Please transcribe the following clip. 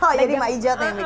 oh jadi ma'ijot yang bikin